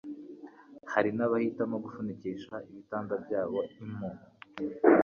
Hari n'abahitamo gufunikisha ibitanda byabo impu